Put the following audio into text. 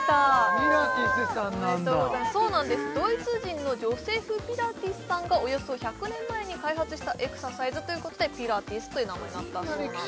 ピラティスさんなんだそうなんですドイツ人のジョセフ・ピラティスさんがおよそ１００年前に開発したエクササイズということでピラティスという名前になったそうなんです